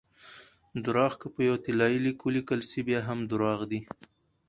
درواغ که په یو طلايي لیک ولیکل سي؛ بیا هم درواغ دي!